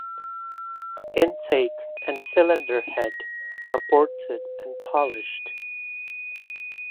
Intake and cylinder head are ported and polished.